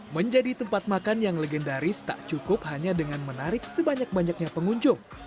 menjadi tempat makan yang legendaris tak cukup hanya dengan menarik sebanyak banyaknya pengunjung